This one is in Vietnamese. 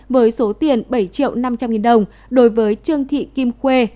với số tiền bảy triệu năm trăm linh nghìn đồng đối với trương thị kim khuê